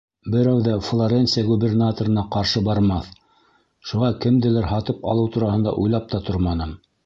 Берәү ҙә Флоренция губернаторына ҡаршы бармаҫ, шуға кемделер һатып алыу тураһында уйлап та торманым.